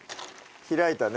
開いたね。